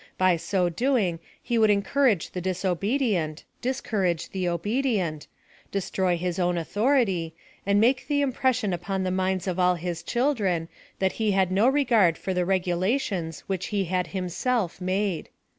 By so doing he would encourage the disobedient — discourage the obedient— destroy his own authority, and make the impression upon the minds of all his children that he had no regard for the regulations which he had himself made.